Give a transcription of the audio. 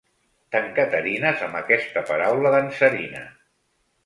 T'encaterines amb aquesta paraula dansarina.